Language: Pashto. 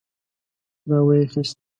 را وايي خيست.